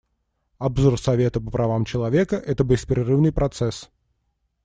Обзор Совета по правам человека — это беспрерывный процесс.